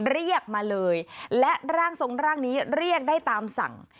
เรียกมาเลยและร่างทรงร่างนี้เรียกได้ตามสั่ง